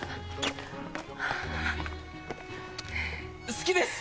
好きです！